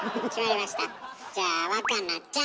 じゃあ若菜ちゃん。